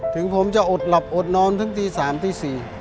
ถึงผมจะอดหลับอดนอนทั้งตี๓ตี๔